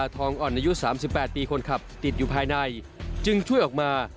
ติดอยู่ภายในจึงช่วยออกมา